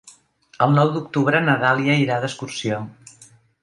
El nou d'octubre na Dàlia irà d'excursió.